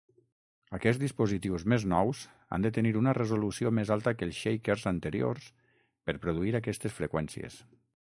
Aquests dispositius més nous han de tenir una resolució més alta que els "shakers" anteriors per produir aquestes freqüències.